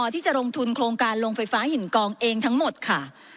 ที่จะลงทุนโครงการลงไฟฟ้าหินกองเองทั้งหมดค่ะ